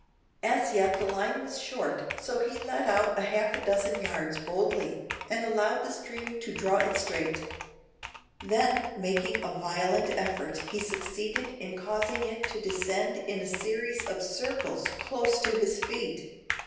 As yet the line was short, so he let out half a dozen yards boldly, and allowed the stream to draw it straight. Then, making a violent effort, he succeeded in causing it to descend in a series of circles close to his feet!